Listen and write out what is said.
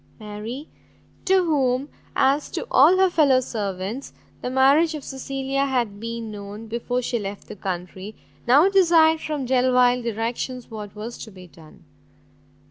Mary, to whom, as to all her fellow servants, the marriage of Cecilia had been known, before she left the country, now desired from Delvile directions what was to be done.